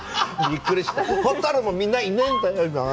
蛍もみんないねえんだよ、今は。